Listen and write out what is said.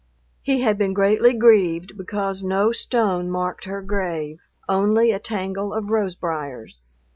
He had been greatly grieved because no stone marked her grave, only a tangle of rose briers.